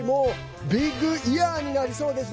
ビッグイヤーになりそうですね。